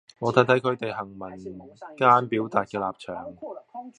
我睇睇佢哋行文間表達嘅立場